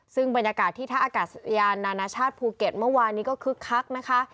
ซึ่งบรรยากาศที่ท่าอากาศยานนานาชาติภูเก็ตเมื่อวานนี้ก็คึกคักนะคะ